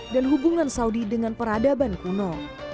dan hubungan saudi dengan peradaban kuno